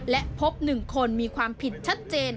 และพบ๑คนมีความผิดชัดเจน